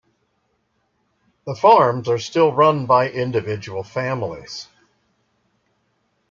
The farms are still run by individual families.